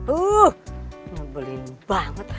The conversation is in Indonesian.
uh nubelin banget